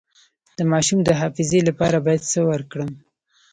د ماشوم د حافظې لپاره باید څه ورکړم؟